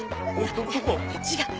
違う！